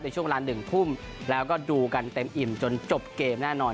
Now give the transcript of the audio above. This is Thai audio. ช่วงเวลาหนึ่งทุ่มแล้วก็ดูกันเต็มอิ่มจนจบเกมแน่นอน